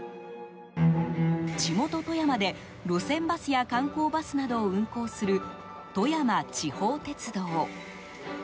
地元・富山で路線バスや観光バスなどを運行する、富山地方鉄道。